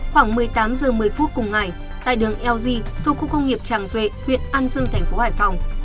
khoảng một mươi tám h một mươi phút cùng ngày tại đường lg thuộc khu công nghiệp tràng duệ huyện an dương thành phố hải phòng